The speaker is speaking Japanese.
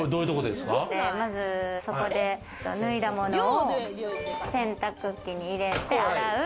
まずそこで脱いだものを洗濯機に入れて洗う。